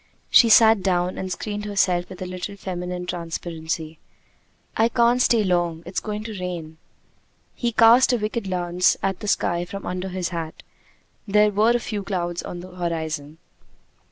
She sat down, and screened herself with a little feminine transparency. "I can't stay long: it's going to rain!" He cast a wicked glance at the sky from under his hat; there were a few clouds on the horizon.